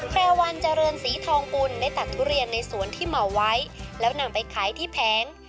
แพรวันเจริญศรีทองบุญได้ตัดทุเรียนในสวนที่เหมาไว้แล้วนำไปขายที่แผง